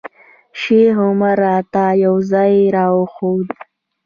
شیخ عمر راته یو ځای راوښود.